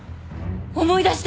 思い出して！